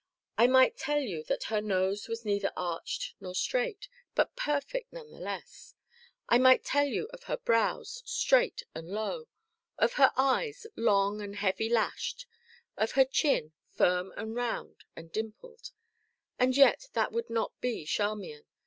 I might tell you that her nose was neither arched nor straight, but perfect, none the less; I might tell you of her brows, straight and low, of her eyes, long and heavy lashed, of her chin, firm and round and dimpled; and yet, that would not be Charmian.